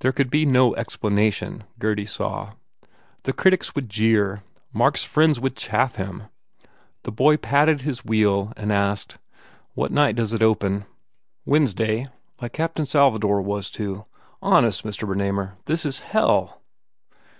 There could be no explanation, Gurdy saw. The critics would jeer. Mark s friends would chaff him. The boy patted his wheel and asked, "What night does it open?" 283 THE FAIR REWARDS "Wednesday, like Captain Salvador was to. Honest, Mr. Bernamer, this is hell!"